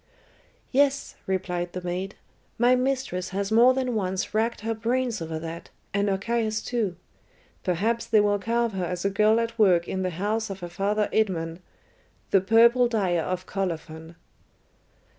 "Yes," replied the maid, "my mistress has more than once racked her brains over that, and Archias too. Perhaps they will carve her as a girl at work in the house of her father Idmon, the purple dyer of Colophon."